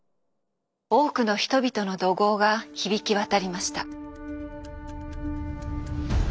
多くの人々の怒号が響き渡りました。